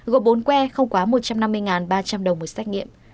gồm bốn que không quá một trăm năm mươi ba trăm linh đồng một xét nghiệm